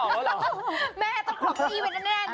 แม่ต้องขอบพี่ยี่ไว่แน่